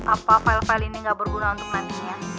apa file file ini gak berguna untuk nantinya